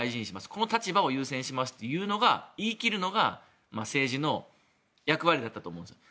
ここを最優先にしますと言い切るのが政治の役割だったと思うんですよ。